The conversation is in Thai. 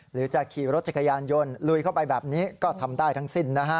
หรือจะขี่รถจักรยานยนต์ลุยเข้าไปแบบนี้ก็ทำได้ทั้งสิ้นนะฮะ